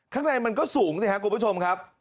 ข้างในมันก็สูงสิครับคุณผู้ชมครับ